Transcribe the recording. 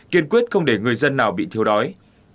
kiên quyết không để người dân nào bị thiếu đói